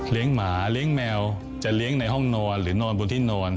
หมาเลี้ยงแมวจะเลี้ยงในห้องนอนหรือนอนบนที่นอน